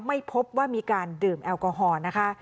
ไม่พบว่ามีการดื่มแอลกอฮอล์นะคะ